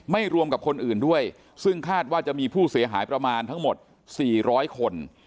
รวมกับคนอื่นด้วยซึ่งคาดว่าจะมีผู้เสียหายประมาณทั้งหมด๔๐๐คน